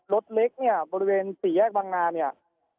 รถเล็กเนี่ยบริเวณสี่แยกบางนาเนี่ย